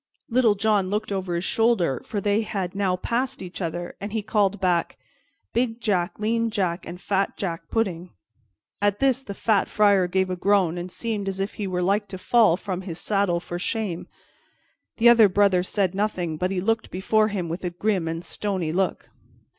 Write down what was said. Little John looked over his shoulder, for they had now passed each other, and he called back, "Big Jack, lean Jack and fat Jack pudding." At this the fat Friar gave a groan and seemed as if he were like to fall from his saddle for shame; the other brother said nothing, but he looked before him with a grim and stony look.